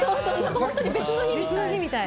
本当に別の日みたいな。